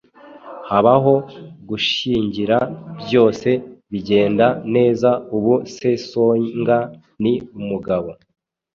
habaho gushyingira, byose bigenda neza. Ubu Sesonga ni umugabo